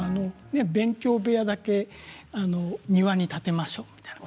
勉強部屋だけ庭に建てましょうみたいな。